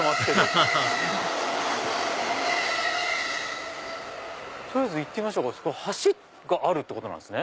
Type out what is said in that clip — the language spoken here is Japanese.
ハハハハ取りあえず行ってみましょうか橋があるってことなんですね。